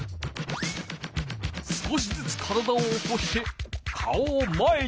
少しずつ体を起こして顔を前に向ける。